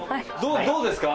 どうですか？